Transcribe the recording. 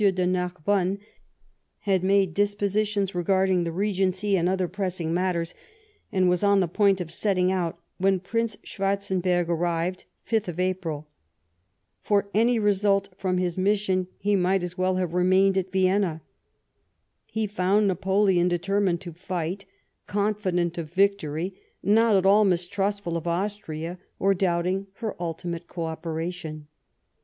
de Narbonne, had made dis positions regarding the regency and other pressing matters, and was on the point of setting out, when Prince Schwarzenberg arrived (5th April). For any result from his mission he might as well have remained at Vienna. He "found Napoleon determined to fight, confident of victory, not at all mistrustful of Austria, or THE SPRING OF 1813. 89* doubting her ultimate co operation.